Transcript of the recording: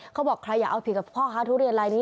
เขาบอกใครอยากเอาผิดกับพ่อค้าทุเรียนลายนี้